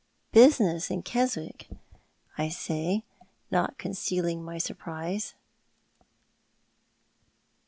"Business in Keswick," say I, not concealing my surprise.